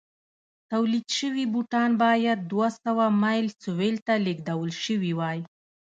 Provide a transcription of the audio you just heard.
تولید شوي بوټان باید دوه سوه مایل سویل ته لېږدول شوي وای.